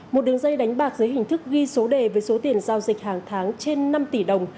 một đường dây đánh bạc dưới hình thức ghi số đề với số tiền giao dịch hàng tháng trên năm tỷ đồng